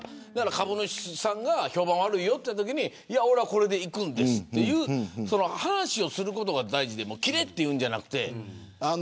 株主さんが評判悪いよというときにこれでいくんですという話をすることが大事で切れと言うんじゃなくて。